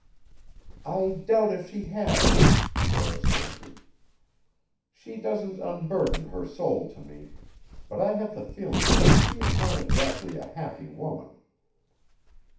"I doubt if she has," Doris answered. "She doesn't unburden her soul to me, but I have the feeling that she is not exactly a happy woman."